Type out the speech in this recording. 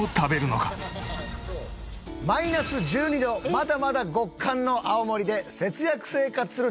「マイナス１２度まだまだ極寒の青森で節約生活する